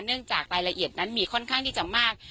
จากรายละเอียดนั้นมีค่อนข้างที่จะมาก